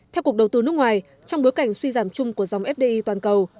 theo cục đầu tư nước ngoài trong bối cảnh suy giảm chung của dòng fdi toàn cầu